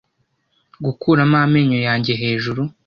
gukuramo amenyo yanjye hejuru